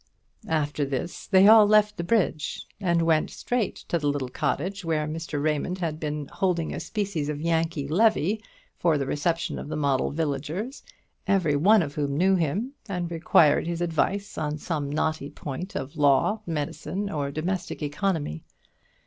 After this they all left the bridge, and went straight to the little cottage, where Mr. Raymond had been holding a species of Yankee levée, for the reception of the model villagers, every one of whom knew him, and required his advice on some knotty point of law, medicine, or domestic economy.